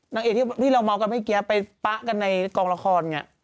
นางเอดที่เราเมาส์กันไว้เกี๊ยวไปป๊ากันในกองละครอย่างนี้